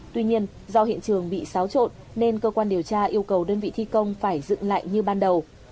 tuy nhiên do hiện trường bị xáo trộn nên cơ quan điều tra yêu cầu đơn vị thi công phải dựng lại như ban đầu